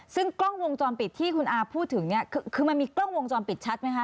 ซึ่งกล้องวงจรปิดที่คุณอาพูดถึงเนี่ยคือมันมีกล้องวงจรปิดชัดไหมคะ